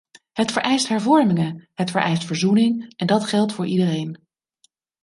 Het vereist hervormingen, het vereist verzoening, en dat geldt voor iedereen.